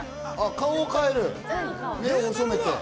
顔を変える、目を細めて。